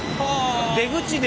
出口で！